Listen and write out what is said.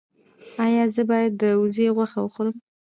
ایا زه باید د وزې غوښه وخورم؟